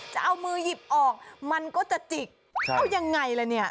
จะเอามือหยิบออกมันก็จะจิกเอายังไงล่ะเนี่ย